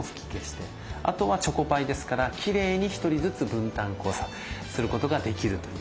あとはチョコパイですからきれいに１人ずつすることができるという。